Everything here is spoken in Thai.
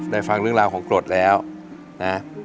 ฟังเรื่องราวของกรดแล้วนะ